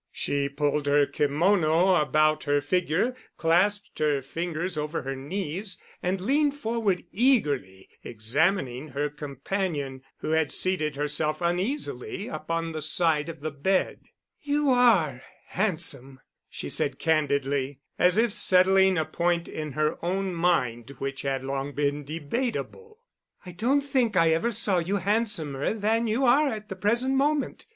She pulled her kimono about her figure, clasped her fingers over her knees, and leaned forward, eagerly examining her companion, who had seated herself uneasily upon the side of the bed. "You are handsome!" she said candidly, as if settling a point in her own mind which had long been debatable. "I don't think I ever saw you handsomer than you are at the present moment.